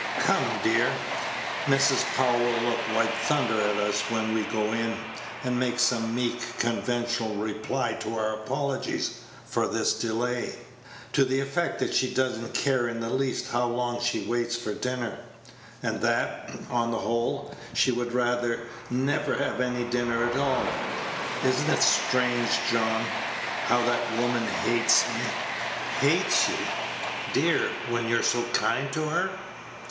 Come, dear; Mrs. Powell will look white thunder at us when we go in, and make some meek conventional reply to our apologies for this delay, to the effect that she does n't care in the least how long she waits for dinner, and that, on the whole, she would rather never have any dinner at all. Is n't it strange, John, how that woman hates me?" "Hates you, dear, when you're so kind to her!"